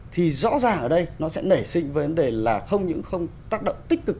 thì rõ ràng ở đây nó sẽ nể sinh vấn đề là không những không tác động tích cực